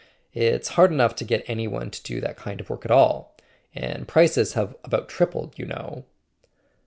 It's hard enough to get any one to do that kind of work at all. And prices have about tripled, you know."